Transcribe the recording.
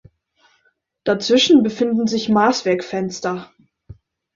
Dazwischen befinden sich Maßwerkfenster.